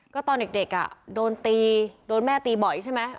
ก็ตอนเด็กโดนตีโดนแม่ตีบ่อยใช่ไหม